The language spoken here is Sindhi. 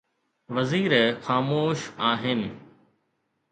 وزير خاموش آهن.